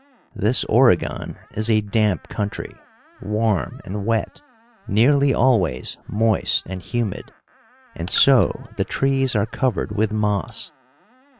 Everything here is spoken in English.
This Oregon is a damp country, warm and wet; nearly always moist and humid, and so the trees are covered with moss.